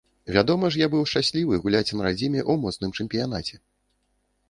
Вядома ж, я быў бы шчаслівы гуляць на радзіме, у моцным чэмпіянаце.